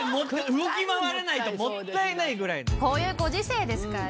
動き回らないともったいないぐらい。